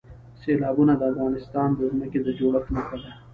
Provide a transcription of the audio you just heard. سیلابونه د افغانستان د ځمکې د جوړښت نښه ده.